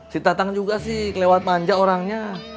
si tatang juga sih lewat manja orangnya